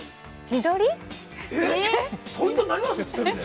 ◆自撮り？◆ポイントになります？